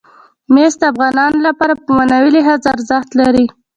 مس د افغانانو لپاره په معنوي لحاظ ارزښت لري.